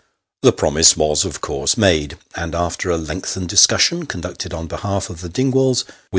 The promise was of course made ; and after a lengthened dis cussion, conducted on behalf of the Dingwalls with.